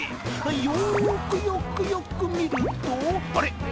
よーくよくよく見るとあれ？